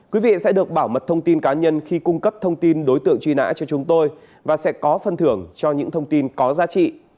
quý vị sẽ được bảo mật thông tin cá nhân khi cung cấp thông tin đối tượng truy nã cho chúng tôi và sẽ có phân thưởng cho những thông tin có giá trị